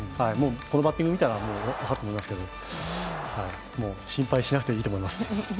このバッティングを見たら分かると思いますけど、心配しなくていいと思います。